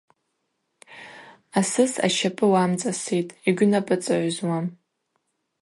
Асыс ащапӏы уамцӏаситӏ, йгьунапӏыцӏгӏвызуам.